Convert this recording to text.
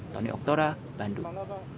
tony oktora bandung